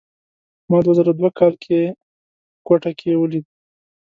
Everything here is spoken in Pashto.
ما دوه زره دوه کال کې په کوټه کې ولید.